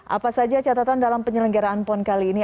apa saja catatan dalam penyelenggaraan pon kali ini